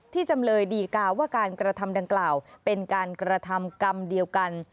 จำเลยดีกาว่าการกระทำดังกล่าวเป็นการกระทำกรรมเดียวกัน